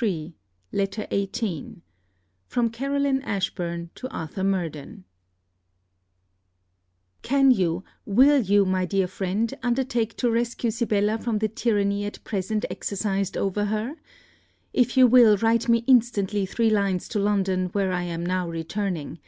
Thine, FILMAR LETTER XVIII FROM CAROLINE ASHBURN TO ARTHUR MURDEN Can you, will you, my dear friend, undertake to rescue Sibella from the tyranny at present exercised over her? If you will, write me instantly three lines to London, where I am now returning.